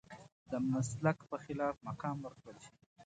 د مسلک په خلاف مقام ورکړل شي.